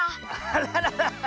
あららら！